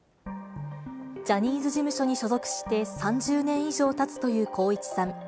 ジャニーズ事務所に所属して３０年以上たつという光一さん。